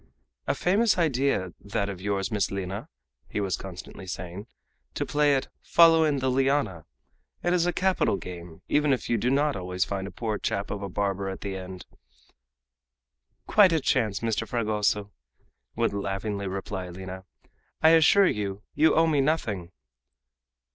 "A famous idea that of yours, Miss Lina," he was constantly saying, "to play at 'following the liana!' It is a capital game even if you do not always find a poor chap of a barber at the end!" "Quite a chance, Mr. Fragoso," would laughingly reply Lina; "I assure you, you owe me nothing!"